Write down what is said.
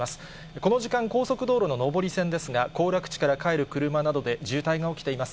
この時間、高速道路の上り線ですが、行楽地から帰る車などで渋滞が起きています。